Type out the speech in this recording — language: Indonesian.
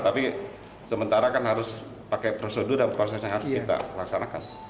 tapi sementara kan harus pakai prosedur dan proses yang harus kita laksanakan